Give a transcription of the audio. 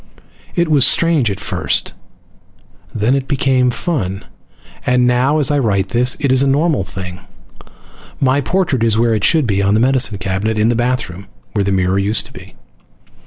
It was strange at first, then it became fun, and now, as I write this, it is a normal thing. My portrait is where it should be on the medicine cabinet in the bathroom, where the mirror used to be.